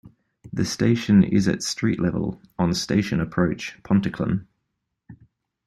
The station is at street level, on Station Approach, Pontyclun.